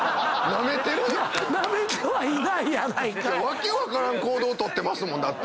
訳分からん行動取ってますもん！